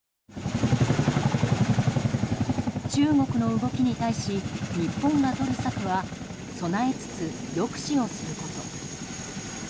中国の動きに対し日本がとる策は備えつつ、抑止をすること。